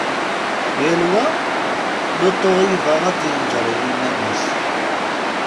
Yal wa lutu i yebɣa ad d-yenǧeri yiman-is.